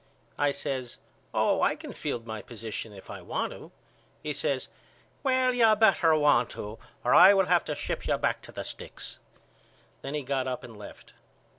I says Oh I can field my position if I want to. He says Well you better want to or I will have to ship you back to the sticks. Then he got up and left.